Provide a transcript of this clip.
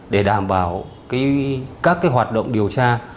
để đảm bảo các cái hoạt động điều tra